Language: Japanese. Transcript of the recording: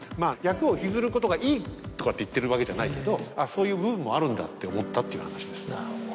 役を引きずることがいいとかって言ってるわけじゃないけどそういう部分もあるんだって思ったっていう話です。